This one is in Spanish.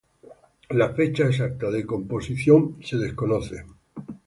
La fecha exacta de composición es desconocida.